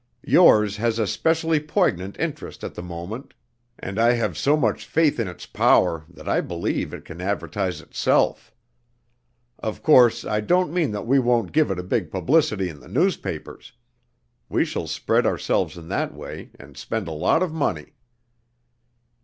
Yours has a specially poignant interest at the moment, and I have so much faith in its power that I believe it can advertise itself. Of course I don't mean that we won't give it big publicity in the newspapers. We shall spread ourselves in that way, and spend a lot of money."